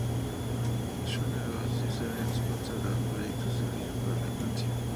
Schütte-Lihotzky será la responsable de los proyectos de edificios para la infancia.